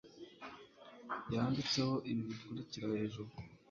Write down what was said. yanditseho ibi bikurikira hejuru